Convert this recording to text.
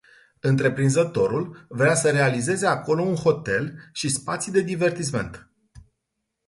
Întreprinzătorul vrea să realizeze acolo un hotel și spații de divertisment.